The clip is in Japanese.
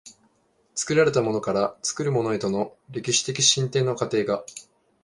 作られたものから作るものへとの歴史的進展の過程が、